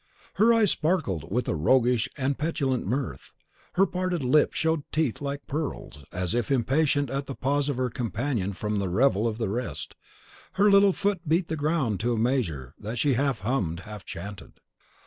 Her eyes sparkled with a roguish and petulant mirth, her parted lips showed teeth like pearls; as if impatient at the pause of her companion from the revel of the rest, her little foot beat the ground to a measure that she half hummed, half chanted.